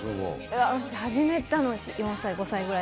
始めたのは４歳か５歳ぐらい。